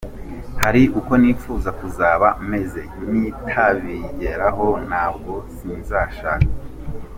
Hari uko nifuza kuzaba meze, nintabigeraho na bwo sinzashaka.